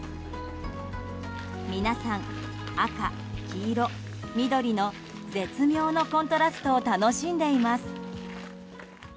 皆さん、赤、黄色、緑の絶妙なコントラストを楽しんでいます。